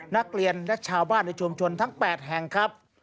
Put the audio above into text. นักเรียนและชาวบ้านในชุมชนทั้ง๘แห่งครับ